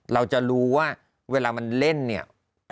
เราจะรู้ว่าเวลามันเล่นเนี่ย